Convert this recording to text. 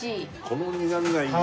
この苦みがいい。